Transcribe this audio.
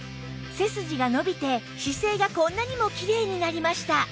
背筋が伸びて姿勢がこんなにもきれいになりました